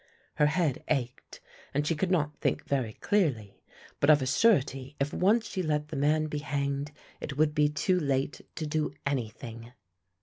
Her head ached and she could not think very clearly; but of a surety if once she let the man be hanged it would be too late to do anything.